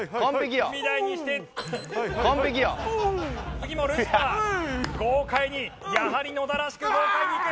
次もルシファー豪快にやはり野田らしく豪快にいく。